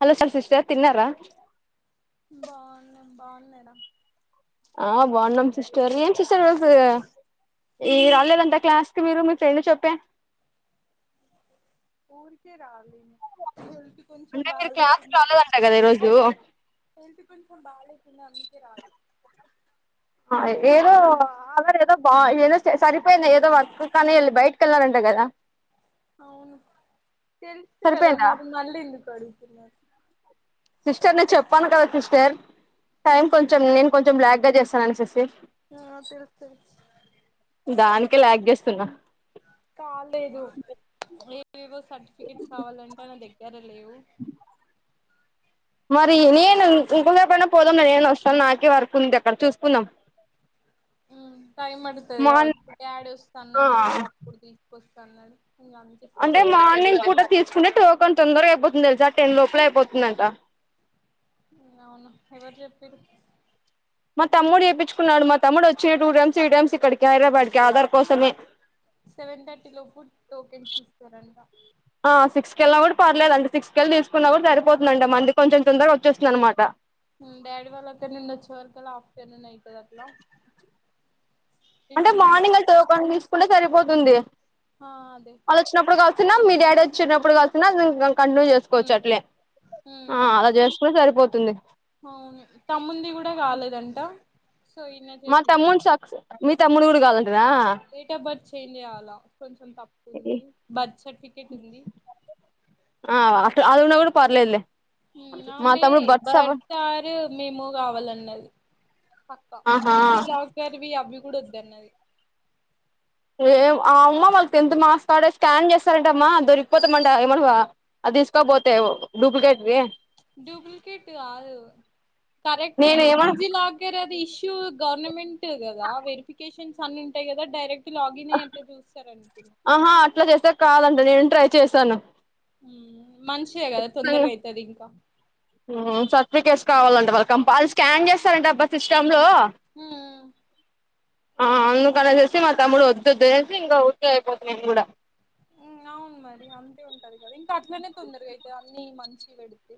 Hello sir sister తిన్నారా బాగున్నాం బాగున్నారా ఆ బాగున్నాం సిస్టర్ ఏం సిస్టర్ మీకు ఈ రాలేదంతా క్లాస్ కి మీరు మీ ఫ్రెండ్ చేప్పే ఊరికే రాలేదు కొంచెం అంటే మీరు క్లాస్ కి బాగాలేకుండే రాలేదంట కదా ఈరోజు హెల్త్ కొంచెం బాగాలేకుండే. అందుకే రాలేదు ఏదో అ ఏదో బా ఏదో సరిపోయిన ఏదో వర్క్ కానీ ఇల బయట్కెల్లారంట గదా అవును తెలుసు కదా సరిపోయిందా మరి మళ్ళీ ఎందుకు అడుగుతున్నారు. సిస్టర్ నేను చెప్పాను కదా సిస్టర్ టైం కొంచెం నేను కొంచెం బ్లాక్ గా చేస్తానని సిస్టర్ ఆ తెలుసు తెలుసు దానికే లాగ్ చేస్తున్నా. కాలేదు ఎ ఏవో సర్టిఫికెట్ కావాలంట నా దాగ్ [inaudible] మరి నేను ఇంకొసారి ఎప్పుడన్నా పోదాం నేను వస్తాను. నాకి వర్క్ ఉంది అక్కడ చూసుకుందాం. టైమ్ పడుతది కావచ్చు మా డాడీ వస్త అన్నాడు ఆ అప్పుడు తీసుకొస్త కల్లర్ అంటే మార్నింగ్ పూట తీసుకుంటే టోక్ కొన్ తొందరగా అయిపోతుంది తెలుసా టెన్ లోపల అయిపోతుందంట నవున ఎవరు జెప్పిరు మా తమ్ముడు చేపించుకున్నాడు మా తమ్ముడు వచ్చి టూ టైమ్స్ త్రీ టైమ్స్ ఇక్కడికి హైదరాబాద్ కి ఆధార్ కోసమే సెవెన్ థర్టీ లోపు టోకెన్స్ ఇస్తారంట ఆ సిక్స్ కి వెళ్ళా కూడా పర్లేదంట సిక్స్ కెళ్ళి తీసుకున్నా కూడా సరిపోతుందంట మంది కొంచెం తొందరగా వచ్చేస్తుంది అనమాట ఉ డాడీ వాళ్ళు అక్కడినుండి వచ్చేవరకు కల్ల ఆఫ్టర్నూన్ అయితది అటున్నా అంటే మార్నింగ్ అ టోకెన్ తిస్ కుండా సరిపోతుంది ఆ అదే తున్నాము మీ డాడి వచ్చినప్పుడు గలుపు నాన్ ఇంకామ్ కంటిన్యూ చేసుకోవచ్చు ఉమ్ అట్లే ఆ ఉమ్ అలా చేసుకుని సరిపోత్ తుందే అవును తమ్ముంది కూడా కాలేదంట సో ఈయనే మా తమ్ముని చేపిస్తాను సాక్సు మీ తమ్ముడు గుడ్ గలన్ రా డేట్ ఆఫ్ బర్త్ చేంజ్ జెయ్యాల కొంచ్ తప్పుతుంది బర్త్ సర్టిఫికెట్ ఉంది ఆ అట్లా అది ఉన్న గుడా పర్లేదులే ఉమ్ మా ఆమె తమ్ముడు బర్త్ సవ బర్తార్ మెమో కావాలన్నది అక్క ఆహా డిజిలాకర్ వి అభ్యు కూడద్దు అన్నది ఏం అ అమ్మా వాళ్ళు టెన్త్ మార్క్స్ కార్డు స్కాన్ చేస్తారంట అమ్మా దొరికిపోతే మండ ఏం అను అది తీసుకోపోతే డూప్లికేట్ కి డ్యూప్లికేట్ కాదు కరెక్టే నేను ఏమన్నా డిజిలాకర్ అది ఇష్యూ గవర్నమెంట్ గదా వెరిఫికేషన్స్ అన్ని ఉంటాయి గదా డైరెక్ట్ లాగిన్ అయ్యి అట్లా చూస్తారు అనుకున్నా ఆహా అట్లా చేస్తే కాదంటా నేన్ ట్రై చేసాను ఉ మంచిదే గదా తొందరగా ఐతది ఇంకా సర్టిఫికేట్స్ కావాలంట వాళ్ళ కంపల్ స్కాన్ చేస్తారు అంటా అబ్బ సిస్టమ్ ఇందులో ఉమ్, ఆ అందుకని వచ్చేసి మా తమ్ముడు వద్దొద్దు అనేసి ఇంకా ఊరికే అయిపోతున్నాము మేము గుడా ఉమ్ అవును మరి అంతే ఉంటది గదా ఇంకా అట్లనే తొందరగా అయితే అన్ని మంచి వెడితే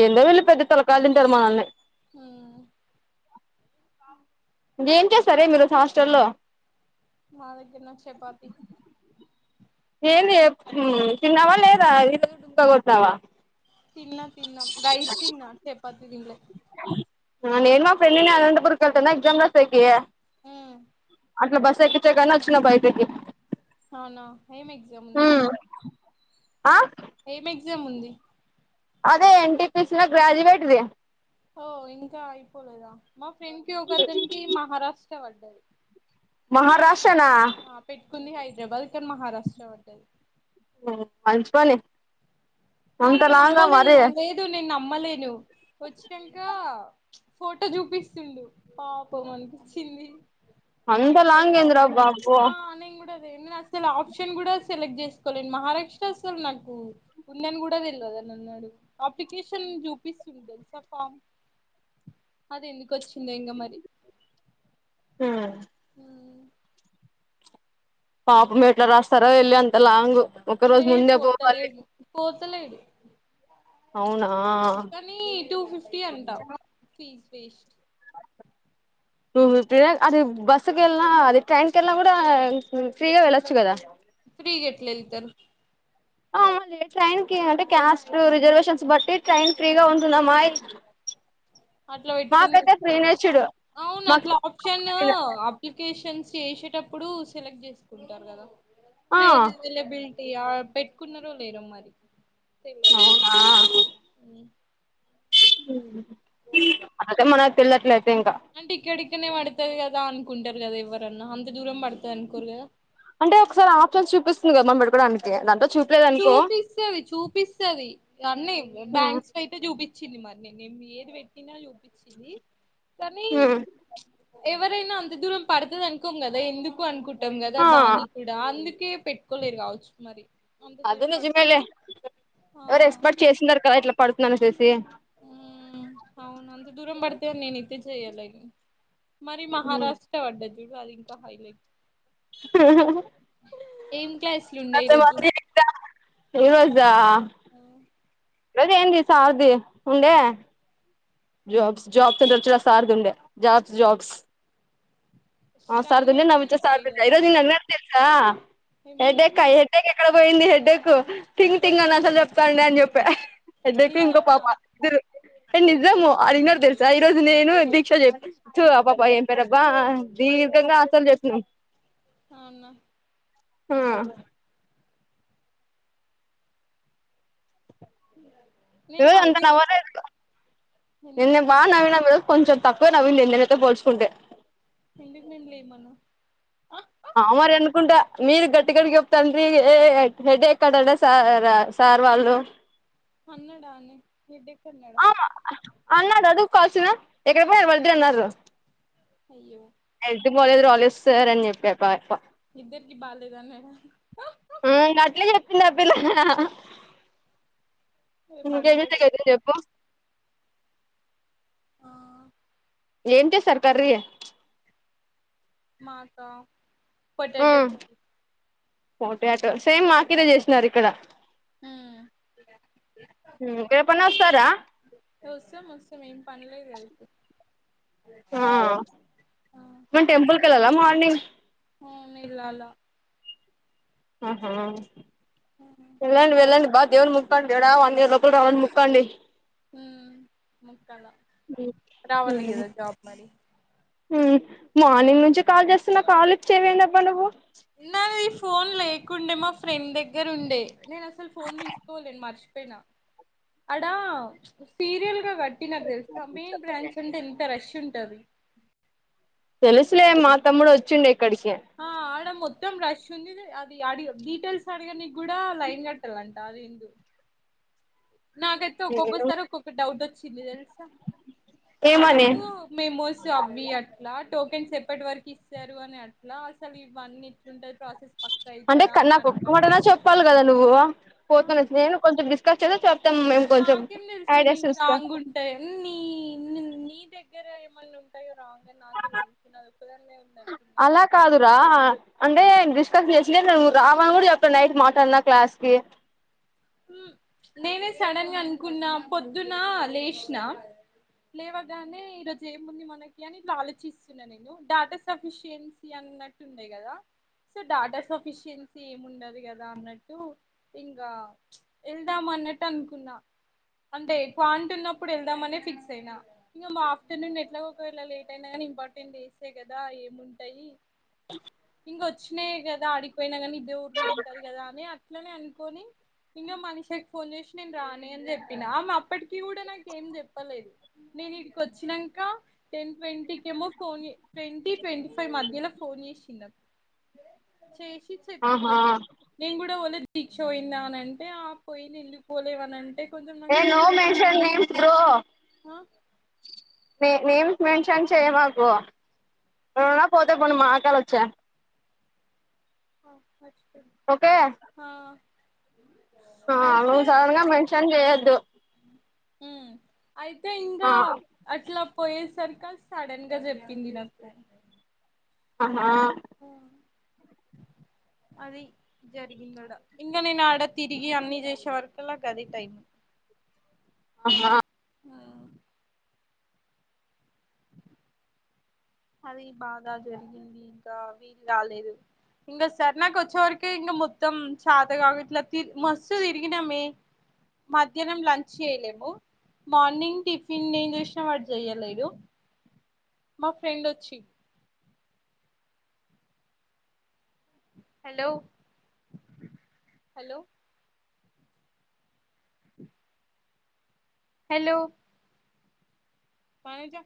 ఏందో వీళ్ళు పెద్ద తలక్ కాలు తింటారు మనల్ని ఉమ్, గేమ్ చేస్తారే మీరు వచ్చి హాస్టల్లో మా దగ్గర న చపాతి ఏందే తిన్నావా లేదా ఈరోజు డుమాకొట్టినవ్వా తిన్న తిన్నం రైస్ తిన్నా చపాతి తినలే నేను మా ఫ్రెండ్ ఇగ అనంతపూర్ కెలతనాం ఎగ్జామ్ రాసేకీ మ్ అట్లా బస్ ఎక్కితే గాని ఒచ్చి నా బైక్ ఎక్కింది అవునా ఏం ఎగ్జామ్ ఉంది ఇప్పుడు ఆ ఏం ఎగ్జామ్ ఉంది అదే ఎన్టిపీసీ లో గ్రాడ్యూవేట్ ది ఓ ఇంకా అయిపోలేదా మా ఫ్రెండ్కి ఒక్కతనకి మహారాష్ట బడ్డది మహారాష్ టనా కొన్ని హైదరాబాద్ కానీ మహారాష్ట్ర పడ్డది మంచిపని నేను ఇంకా నమ్మలేను లేదు నేను నమ్మలేను వచ్చినాంక ఫోటో చూపిస్తుండు పాపం అనిపించింది అంత లాంగ్ ఏంద్రా బాబ్బు రేయ్ నేన్ అసలు ఆప్షన్ కూడా సెలెక్ట్ చేసుకోలేనూ మహారాష్ట్ర అసలు నాకు ఉందని కూడా తెళవదు అని అన్నాడు. అప్లికేషన్ చూపిస్తుంది తెలుసా ఫామ్ అది ఎందుకు వచ్చిందొ ఇంకా మరి. ఆ పాపం ఎట్లా రాస్తారో యెల్లి అంతలాంగ్ లే పోతలేడు పోతలేడు అవునా ఇంకానీ టూ ఫిఫ్టీ అంటా ఫీజ్ వేస్ట్ వేస్టే అది బస్సుకెళ్ళినా అదె ట్రైన్ కెళ్ళినా కూడా ఫ్రీగా వెళ్ళొచ్చు కదా ఫ్రీగ ఎట్లెల్తరు ఆ మరి ట్రైన్ కి అంటే క్యాస్ట్ రిజర్వేషన్స్ బట్టి ట్రైన్ ఫ్రీగా ఉంటుందమ్మాయ్ అట్లా పెట్టుకుండో పెట్టుకోలేడో అవును అట్లా ఆప్షన్ మాకు అప్లికేషన్ చేసేటప్పుడు సెలెక్ట్ చేసుకుంటారు కదా ఆ ట్రైన్ అవైలబిల్ టీ ఆ పెట్టుకున్నరో లేరో మరి తెల్వదు అవునా [inaudible] అయితే మనక్ పిల్లట్లై అంటె ఇక్కడికనే వడతయ్ గ దా అనుకుంటరు కదా ఎవరన్నా అంత దూరం పడతదనుకోరుగద అంటే ఒకసారి ఆప్షన్స్ చూపిస్తుంది కద మనం పెడుకోడానికి దాంతో చూ చూపిస్తది చూపిస్తది అన్నీ బ్యాంక్స్ కయితే చూపిస్ వచ్చింది మరి నే ఏది పెట్టినా కనీ మ్మ్ ఎవ్ ఎవరైనా అంత దూరం పడుతది అనుకోం కదా ఎందుకు అనుకుం కుంటం ఆ దాని కూడా అందు కే పెట్టుకోలేరు కావచ్చు మరి అంత అది దూరం పడుతుంది నిజమేలే ఎవరు ఎస్పాట్ చేసిండరు కదా ఇట్లా పడుతుందనే చెస్ ఉ అవును అంత దూరం బడ్తే నేను ఇతె చేయలేను [unintelligible] మరి మహారాష్ట్ర వడ్డది ఇడు అది ఇంకా హైలైట్ [inaudible] ఏం క్లాసులు ఉండే ఈరోజు ఇరోజా ఆ, రోజ ఏంది సార్థి ఉండే ఆ సార్దం స్టాండర్డ్ నవ విజ చ సిక్సే సార్జ న కదా [unintelligible] ఆ ఏమని హెడ్డకా హడ్డేకే ఎక్కడ పోయింది హెడ్డక్కు థింగ్ థింగ్ అని అసలు చెప్తాండడి అని చెప్పా ఎడ్డకు ఇంకో నిజమా పాప ఇద్దరు ఎ నిజము అడిగినారు తెలుసా ఈ రోజు నేను దీక్ష చెప్ చూ ఆ పాప ఏం పేరో వా దీర్ఘంగా అసలు జేస్తుంది అవునా ఆ అ [inaudible] ఇరోజు అంతా నవ లేదు ఏంది నిన్న బా నవీనామ్ ఇరోజు కొంచెం తక్కువ నవీనంది నినతో పోల్చుకుంటే నిలి నింలి మను ఆ [inaudible] ఆ మరి అనుకుంటా మీరు గట్టి గడికి చెప్తండ్రి ఏ హెడ్ క్కడడా స సార్ వాళ్ళు హన్నడని ఇద్ద [inaudible] కన్నడ [inaudible] ఆమా అన్నాడు అదు కాల్సిన ఎక్కడికి పోయ వలిద్దరు అన్నారు అయ్యో హెల్త్ బాలేేదు రాలే స్సార్ అని చెప్పు కాక ఇద్దరుకి బాలేదా అని మేడం పిలా పిలా రేపు ఇంకా ఏం అడుగుతాడు జేసామ్ జెప్పు ఆ ఏంటి సర్కార్ మాకా ఫోటో చెప్పాలి పోటో సేమ్ అక్కడే చేసినారు ఇక్కడ హామ్ రేపన్నా వస్తారా వస్తాం వస్తాం ఏం పనలేదు గా ఇప్పుడు ఆ నీ అవును ఇల్లాల ఆహా వెల్లండి వెల్లండి బాగ్ దేవన్ మొక్కండి దేడా వండే లోపల రావాలి అని మొ క్కండి మొక్కాల రావాలి ఉమ్ కదా జాబ్ మరి మార్నింగ్ నుంచి కాల్ చేస్తున్నా కాల్ లిఫ్ట్ చెయ్యవెంద అబ్బా నువ్వు నాయిఫ్ ఫోన్ లేకుండే మా ఫ్రెండ్ దగ్గర ఉండే నేను అసలు ఫోన్ తీసుకోలేను మర్చిపోయినా అడా సీరియల్ గా కట్టినరుతెల్సా మెయిన్ బ్రాంచ్ అంటే ఎంత రష్ ఉంట రవి తెలుసులే మా తమ్ముడు వచ్చిండే ఇక్కడ్ కే ఆ ఆడ మొత్తం రష్ ఉంది అది అడి డీటెయిల్స్ అడిగనికి కూడా లైన్ కట్టాలంట అది ఎందు నాకైతే ఒక్కొక్కసారి ఒక్కొక్క డౌట్ వచ్చింది తెలుసా ఏమని ముందు మేమోస్ అవి అట్లా టోకెన్స్ ఎప్పటి వరకు ఇస్తారు అని అట్లా అసలు ఇవన్నీ ఎట్లుంటది ప్రాసెస్ పక్క అంటే అయితదా అని కన్నా అట్లా కొడుకు అడిగిన అయిన చెప్పాలి కదా నువ్వు ఆ, పోతునే నేను కొంచెం డిస్కస్ చే చెప్ప నాకేం తెలుసు నీకు రాంగ్ ఉంటాయి నీ నీ దగ్గర ఏమైన్నా ఉంటాయా రా అంటే నాకేం తెలుసున్నా నా ఓక్కదాన్నే ఉంద అనుకున్నా న రావను కూడా చేప్పిన నైట్ మాట్లాడినా క్లాస్ కి నేనే సడన్గా అనుకున్నా పొద్దున్న లేషిన లేవగానే ఈరోజు ఏముంది మనకి అని ఇట్లా ఆలోచిస్తున్నా నేను డాటా సఫిషియన్సీ అన్నట్టు ఉండయి కదా సో డాటా సఫిషియన్సీ ఏమిండదు కదా అన్నట్టు ఇంకా వెళ్దాం అన్నట్టు అనుకున్నా అంటే కాంటున్నప్పుడు వెళ్దామనే ఫిక్స్ అయినా ఇంకా మా ఆఫ్టర్నూన్ ఎట్లా ఒకవేళ లేట్ అయినా కానీ ఇంపార్టెంట్ డేసే కదా ఏముంటాయి ఇంగొ వచ్చినాయి కదా ఆడిపోయినా కానీ ఇదే ఓర్రుడు ఉంటది కదా అని అట్లనే అనుకొని ఇంకా మనిషాకి ఫోన్ చేసి నేను రాని అని చెప్పిన ఆమె అప్పటికి కూడా నాక ఏం చెప్పలేదు నేను ఇడి కి వచ్చినంక టెన్ ట్వంటకేమో ఫోన్ చే ట్వంటీ ట్వంటీ ఫైవ్ మధ్య ల మీలా ఫోన్ చేసిందక్క చేసి ఆహా నేను కూడా పోలే [unintelligible] అని అంటే అంటే ఆ పోయింది ఎందుకు పోలేవనంటే ఏ నో మెన్షన్ నేమ్ బ్రో ఆ నే నేమ్స్ మెన్షన్ చేయమాకు ఎవరన్నా పోతే పోనీ మాట్లాడి వచ్చా ఓ అ [inaudible] ఒకే ఆ అయితే నువ్ సడన్ గా మెన్షన్ చేయొద్దు హు అయితే ఇంకా ఆ అట్లా పోయి సరికి సడనంగా జరిగింది నాకు ఆహా అది జరిగింది ఆడ ఇంకా నేను ఆడ తిరిగి అన్ని చేసే వరకులాగ అది టైము ఆహా ఆ అది బాగా జరిగింది ఇంకా వీలు రాలేదు ఇంకా స్వర్ణ అక్క వచ్చేవరకే ఇంకా మొత్తం చతకవట్లే మస్తు తిరిగినమే మధ్యాహ్నం లంచ్ చేయలేము మార్నింగ్ టిఫిన్ ఏం చేసినాం వాడు చేయలేదు మా ఫ్రెండ్ వచ్చి హలో హలో హలో పాయించా